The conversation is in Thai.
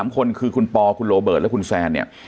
๓คนคือคุณปอคุณโรเบิร์ตและคุณแซนเนี่ย